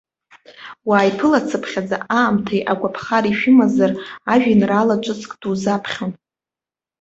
Уааиԥылацԥхьаӡа, аамҭеи агәаԥхареи шәымазар, ажәеинраала ҿыцк дузаԥхьон.